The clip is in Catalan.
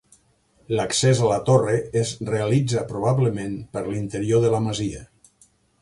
L'accés a la torre es realitza probablement per l'interior de la masia.